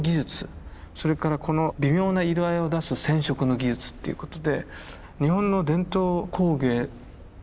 それからこの微妙な色合いを出す染色の技術っていうことで。